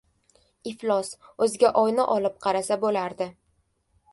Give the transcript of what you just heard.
— Iflos, o‘ziga oyna olib qarasa bo‘lardi!